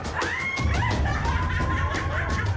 ทิศครีม